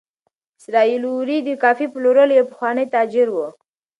اسراییل اوري د کافي پلورلو یو پخوانی تاجر و.